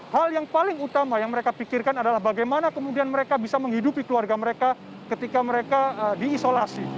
hal yang paling utama yang mereka pikirkan adalah bagaimana kemudian mereka bisa menghidupi keluarga mereka ketika mereka diisolasi